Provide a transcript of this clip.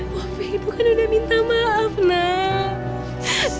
wah ibu kan udah minta maaf nak